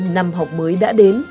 năm học mới đã đến